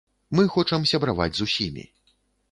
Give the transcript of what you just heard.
Мы хочам сябраваць з усімі.